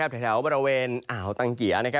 แถวบริเวณอ่าวตังเกียร์